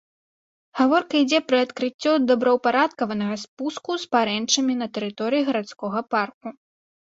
Гаворка ідзе пра адкрыццё добраўпарадкаванага спуску з парэнчамі на тэрыторыі гарадскога парку.